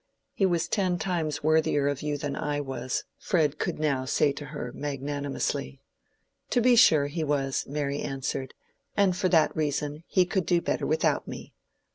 "He was ten times worthier of you than I was," Fred could now say to her, magnanimously. "To be sure he was," Mary answered; "and for that reason he could do better without me.